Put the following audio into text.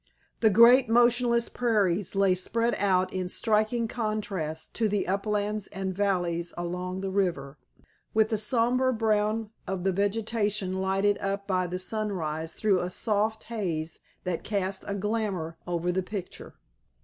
The great motionless prairies lay spread out in striking contrast to the uplands and valleys along the river, with the sombre brown of the vegetation lighted up by the sunrise through a soft haze that cast a glamour over the picture.